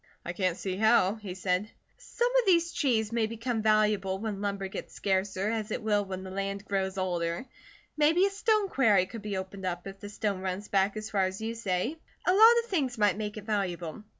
"I can't see how," he said. "Some of the trees may become valuable when lumber gets scarcer, as it will when the land grows older. Maybe a stone quarry could be opened up, if the stone runs back as far as you say. A lot of things might make it valuable.